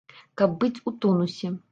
Каб быць у тонусе.